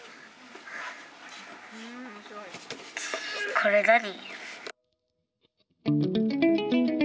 これ何？